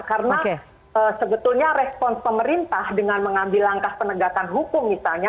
karena sebetulnya respons pemerintah dengan mengambil langkah penegakan hukum misalnya